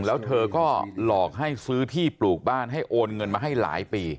แล้วเธอก็หลอกให้ซื้อที่ปลูกบ้านให้โอนเงินมาให้หลายปี